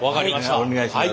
お願いします。